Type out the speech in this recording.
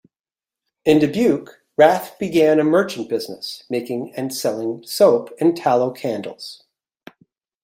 In Dubuque, Rath began a merchant business, making and selling soap and tallow candles.